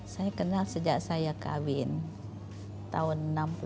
saya kenal sejak saya kawin tahun seribu sembilan ratus enam puluh